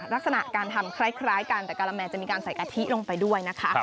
ลักษณะการทำคล้ายกันแต่การะแมนจะมีการใส่กะทิลงไปด้วยนะคะ